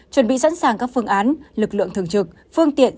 chuẩn bị sẵn sàng các phương án lực lượng thường trực phương tiện